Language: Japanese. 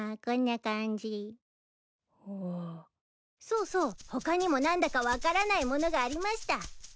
そうそう他にも何だか分からないものがありました。